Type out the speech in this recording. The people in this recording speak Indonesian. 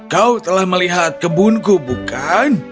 kau telah melihat kebunku bukan